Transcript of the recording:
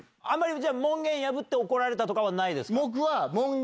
じゃあ門限破って怒られたとかはないですか？